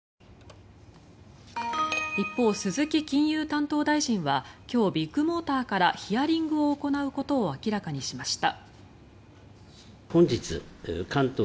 一方、鈴木金融担当大臣は今日ビッグモーターからヒアリングを行うことを明らかにしました。